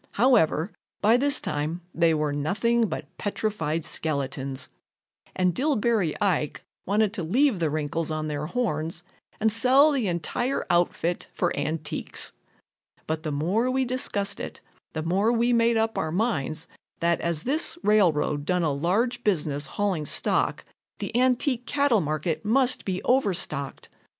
However, by this time they were nothing but petrified skeletons, and Dillbery Ike wanted to leave the wrinkles on their horns and sell the entire outfit for antiques. But the more we discussed it, the more we made up our minds that as this railroad done a large business hauling stock, the antique cattle market must be overstocked.